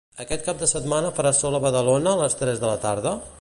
Aquest cap de setmana farà sol a Badalona a les tres de la tarda?